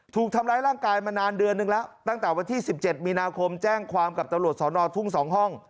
ถูกทำร้ายร่างกายมานานเดือนนึงแล้วตั้งแต่วันที่๑๗มีนาคมแจ้งความกับตำรวจสอนอทุ่ง๒ห้อง